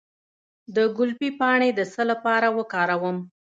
د ګلپي پاڼې د څه لپاره وکاروم؟